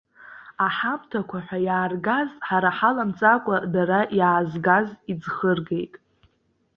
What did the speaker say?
Аҳамҭақәа ҳәа иааргаз, ҳара ҳаламҵакәа дара иаазгаз иӡхыргеит.